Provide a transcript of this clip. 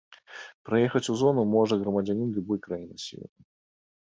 Прыехаць у зону можа грамадзянін любой краіны свету.